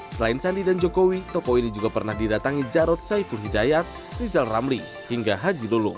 selain sandi dan jokowi toko ini juga pernah didatangi jarod saiful hidayat rizal ramli hingga haji lulung